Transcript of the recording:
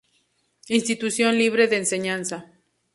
Institución Libre de Enseñanza.